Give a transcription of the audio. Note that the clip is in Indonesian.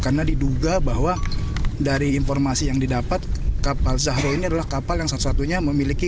karena diduga bahwa dari informasi yang didapat kapal zahro ini adalah kapal yang satu satunya memiliki ac